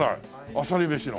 あさり飯も。